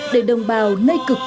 để đồng bào nơi cực kỳ năng lực